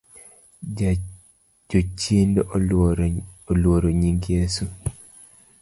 Jochiende oluoro nying Yeso